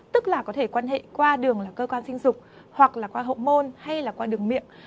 tức là có thể quan hệ qua đường là cơ quan sinh dục hoặc là qua hậu môn hay là qua đường miệng